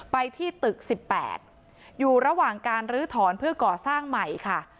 ไปที่ตึก๑๘อยู่ระหว่างการลื้อถอนเพื่อก่อสร้างใหม่ค่ะ